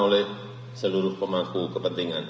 oleh seluruh pemangku kepentingan